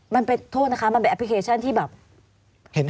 มันเป็นโทษนะคะมันเป็นแอปพลิเคชันที่แบบ